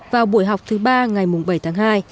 vào buổi học thứ ba ngày bảy tháng hai